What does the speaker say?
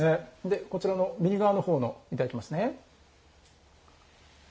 こちらの右側のほういただきますね。